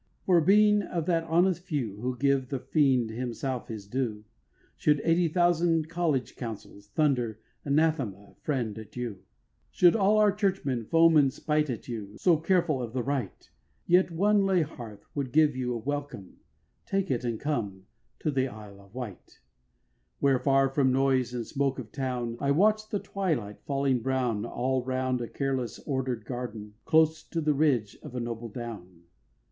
For, being of that honest few, Who give the Fiend himself his due, Should eighty thousand college councils Thunder 'Anathema,' friend, at you; Should all our churchmen foam in spite At you, so careful of the right, Yet one lay hearth would give you welcome (Take it and come) to the Isle of Wight; Where, far from noise and smoke of town, I watch the twilight falling brown All round a careless order'd garden Close to the ridge of a noble down.